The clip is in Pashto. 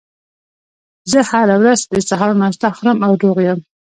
زه هره ورځ د سهار ناشته خورم او روغ یم